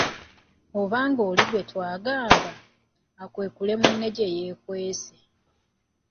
Obanga oli gwe twagamba, akwekula munne gye yeekwese.